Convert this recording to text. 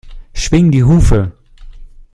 Schwing die Hufe!